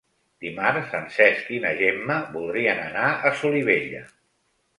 Dimarts en Cesc i na Gemma voldrien anar a Solivella.